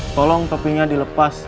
tolong topinya dilepas